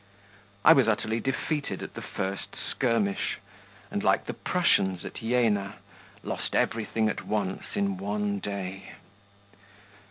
I was utterly defeated at the first skirmish, and, like the Prussians at Jena, lost everything at once in one day.